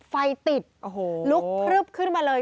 ไฟติดลุกพลึบขึ้นมาเลย